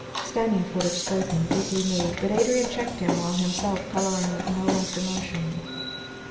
'" Stanief would have spoken, deeply moved, but Adrian checked him while himself coloring with no less emotion.